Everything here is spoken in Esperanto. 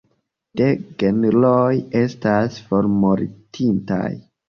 Du genroj estas formortintaj.